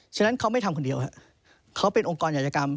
ฉะนั้นเขาไม่ทำคนเดียวครับเขาเป็นองค์กรยาจกรรม